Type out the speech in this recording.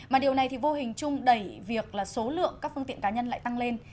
mà điều này thì vô hình chung đẩy việc là số lượng các phương tiện cá nhân lại tăng lên